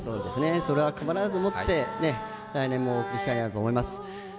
それは変わらず持って、来年もお送りしたいと思います。